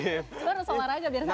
cuma harus olahraga biar sehat